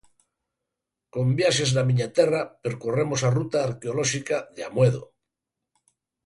Con Viaxes na Miña Terra percorremos a ruta arqueolóxica de Amoedo.